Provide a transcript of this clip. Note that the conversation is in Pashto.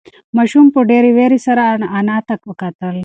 ماشوم په ډېرې وېرې سره انا ته کتل.